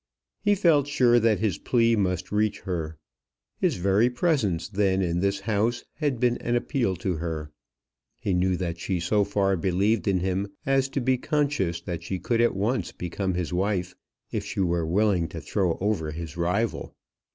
He felt sure that his plea must reach her. His very presence then in this house had been an appeal to her. He knew that she so far believed in him as to be conscious that she could at once become his wife if she were willing to throw over his rival.